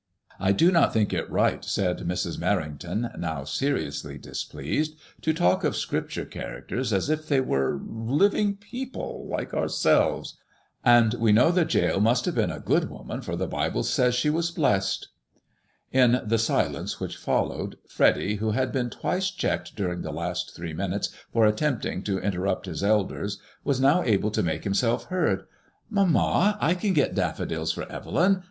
I do not think it right," said Mrs. Merrington, now seriously displeased, to talk of Scripture characters as if they were — living people, like ourselves; and we know that Jael must have been a good woman, for the Bible says she was blessed/' In the silence which followed, Freddy, who had been twice checked during the last three minutes for attempting to inter rupt his elders, was now able to make himself heard. Mamma, I can get daffodils for Evelyn.